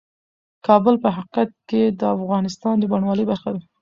کابل په حقیقت کې د افغانستان د بڼوالۍ برخه ده.